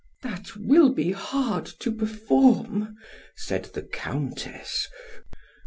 "That will be hard to perform," said the Countess.